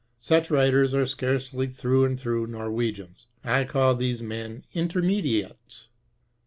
Such writers are scarcely through and through Norwegians. I call these men Intermediates.